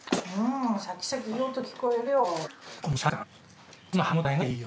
シャキシャキいい音聞こえるよ。